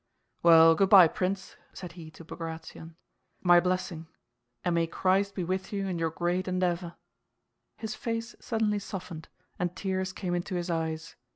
"Well, good by, Prince," said he to Bagratión. "My blessing, and may Christ be with you in your great endeavor!" His face suddenly softened and tears came into his eyes.